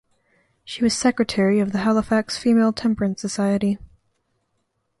She was secretary of the Halifax Female Temperance Society.